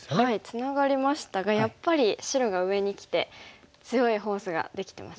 ツナがりましたがやっぱり白が上にきて強いフォースができてますよね。